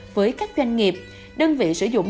với các doanh nghiệp đơn vị sử dụng